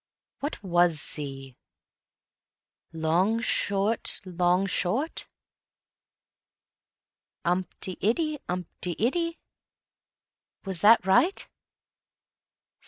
What was C? Long, short, long, short. Umpty iddy umpty iddy. Was that right?